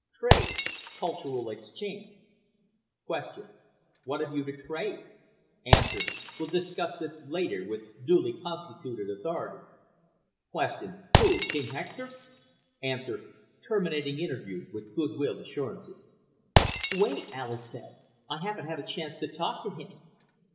TRADE. CULTURAL EXCHANGE Q. WHAT HAVE YOU TO TRADE A. WILL DISCUSS THIS LATER WITH DULY CONSTITUTED AUTHORITY Q. WHO. KING HECTOR A. TERMINATING INTERVIEW WITH GOOD WILL ASSURANCES "Wait," Alis said. "I haven't had a chance to talk to him."